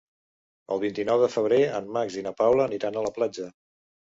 El vint-i-nou de febrer en Max i na Paula aniran a la platja.